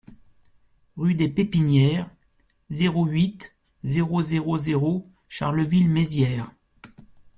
Rue des Pépinières, zéro huit, zéro zéro zéro Charleville-Mézières